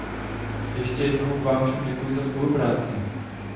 Ještě jednou vám všem děkuji za spolupráci.